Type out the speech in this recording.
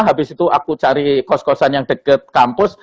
habis itu aku cari kos kosan yang dekat kampus